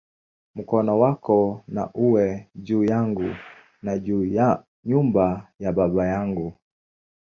Mkono wako na uwe juu yangu, na juu ya nyumba ya baba yangu"!